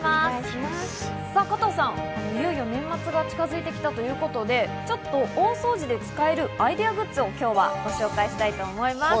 加藤さん、いよいよ年末が近づいてきたということで、ちょっと大掃除で使えるアイデアグッズをご紹介します。